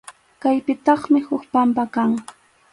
Kaypitaqmi huk pampa kan.